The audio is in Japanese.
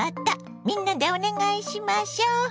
みんなでお願いしましょ。